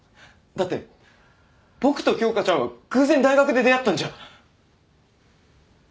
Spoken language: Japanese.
だって僕と京花ちゃんは偶然大学で出会ったんじゃ。